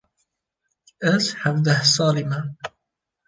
Ez hevdeh salî me.